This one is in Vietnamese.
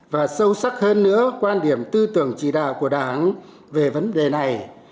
và sâu sắc hơn nữa quan điểm tư tưởng chỉ đạo của đảng về vấn đề này